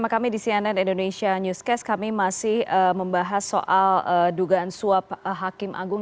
kami masih membahas soal dugaan suap hakim agung